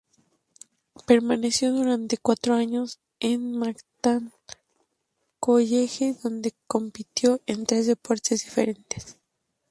Permaneció durante cuatro años en el Manhattan College, donde compitió en tres deportes diferentes.